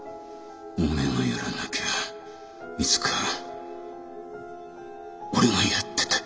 おめえがやらなきゃいつか俺がやってた！